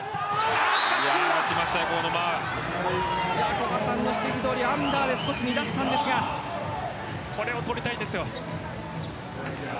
古賀さんの指摘どおりアンダーで乱しましたがこれを取りたいんですよ。